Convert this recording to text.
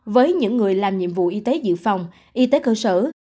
với những người làm nhiệm vụ y tế dự phòng y tế cơ sở